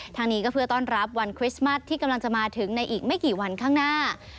ทางนี้ก็เพื่อต้อนรับวันคริสต์มัสที่กำลังจะมาถึงในอีกไม่กี่วันข้างหน้า